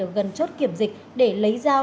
ở gần chốt kiểm dịch để lấy giao